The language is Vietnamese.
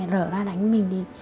rỡ ra đánh mình